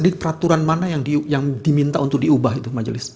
di peraturan mana yang diminta untuk diubah itu majelis